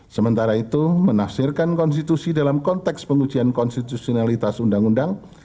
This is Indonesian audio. sementara itu menafsirkan konstitusi dalam konteks pengujian konstitusionalitas undang undang